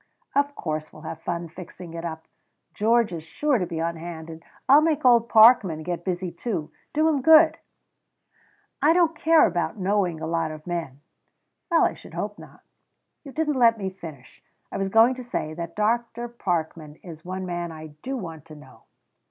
"Of course we'll have fun fixing it up! Georgia's sure to be on hand, and I'll make old Parkman get busy too do him good." "I don't care about knowing a lot of men " "Well I should hope not" "You didn't let me finish. I was going to say that Dr. Parkman is one man I do want to know."